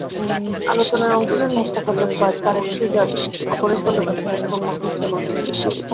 আলোচনায় অংশ নেন মোস্তাফা জব্বার, তারিক সুজাত, অপরেশ বন্দ্যোপাধ্যায় এবং মাহবুব জামান।